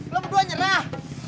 lo berdua nyerah